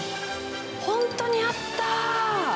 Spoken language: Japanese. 本当にあった。